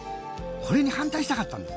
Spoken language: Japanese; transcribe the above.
これに反対したかったんです。